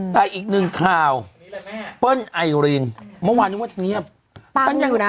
ได้อีกหนึ่งข่าวเปิ้ลไอรินเมื่อวานนึกว่าทีเนียมป้าพูดอยู่น่ะ